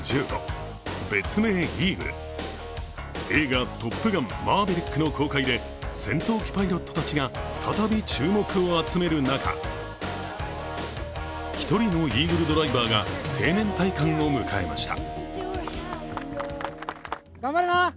別名イーグル、映画「トップガンマーヴェリック」の公開で戦闘機パイロットたちが再び注目を集める中、一人のイーグルドライバーが定年退官を迎えました。